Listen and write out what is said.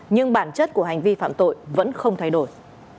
nhưng bản chất của hành vi phạm tội vẫn không thay đổi